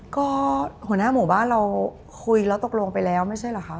ก็หัวหน้าหมู่บ้านเราคุยแล้วตกลงไปแล้วไม่ใช่เหรอคะ